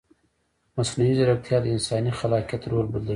مصنوعي ځیرکتیا د انساني خلاقیت رول بدلوي.